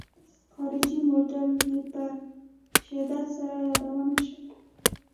خارجي موډل یې په شدت سره یادونه شوې.